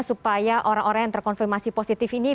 supaya orang orang yang terkonfirmasi positif ini